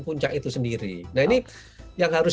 puncak itu sendiri nah ini yang harus